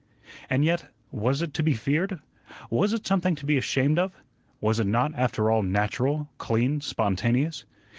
And yet, was it to be feared? Was it something to be ashamed of? Was it not, after all, natural, clean, spontaneous?